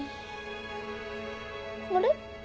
あれ？